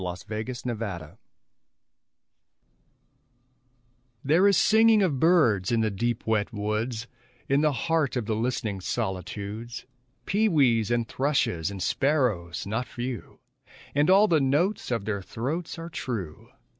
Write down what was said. FOREST MOODS There is singing of birds in the deep wet woods, In the heart of the listening solitudes, Pewees, and thrushes, and sparrows, not few, And all the notes of their throats are true.